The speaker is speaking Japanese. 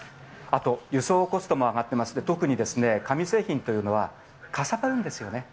あと、輸送コストも上がっていますので、特に紙製品というのは、かさばるんですよね。